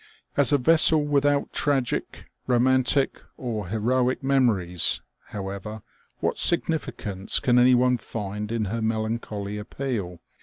As a vessel without tragic, romantic, or heroic memories, however, what significance can any one find in her melancholy appeal